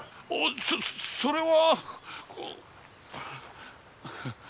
そそれは！